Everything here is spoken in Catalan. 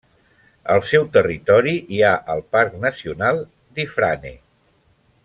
Al seu territori hi ha el parc nacional d'Ifrane.